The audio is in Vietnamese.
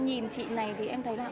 nhìn chị này thì em thấy là